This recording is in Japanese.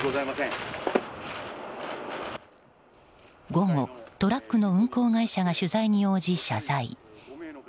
午後、トラックの運行会社が取材に応じ謝罪。